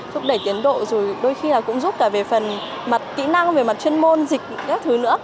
thúc đẩy tiến độ rồi đôi khi là cũng giúp cả về phần mặt kỹ năng về mặt chuyên môn dịch các thứ nữa